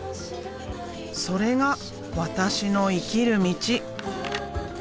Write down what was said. それが私の生きる道。